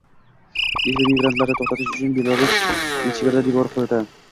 Litva migrantlarni to‘xtatish uchun Belarus bilan chegarada devor quradi